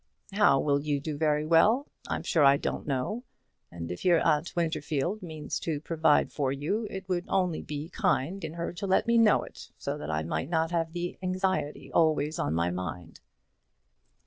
"How will you do very well? I'm sure I don't know. And if your aunt Winterfield means to provide for you, it would only be kind in her to let me know it, so that I might not have the anxiety always on my mind."